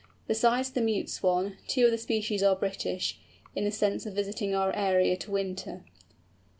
Besides the Mute Swan, two other species are British, in the sense of visiting our area to winter.